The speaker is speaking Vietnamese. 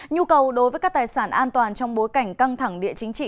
nhu cầu đối với các tài sản an toàn trong bối cảnh căng thẳng địa chính trị